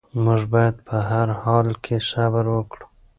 موږ باید په هر حال کې صبر وکړو.